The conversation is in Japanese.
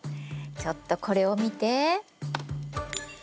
ちょっとこれを見て。